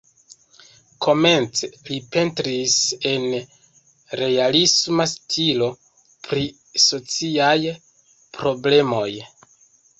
Komence li pentris en realisma stilo pri sociaj problemoj.